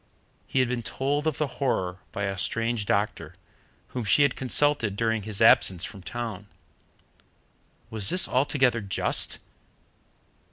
He had been told of the horror by a strange doctor, whom she had consulted during his absence from town. Was this altogether just?